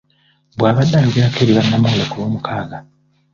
Bw'abadde ayogerako eri bannamawulire ku Lwomukaaga.